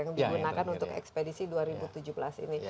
yang digunakan untuk ekspedisi dua ribu tujuh belas ini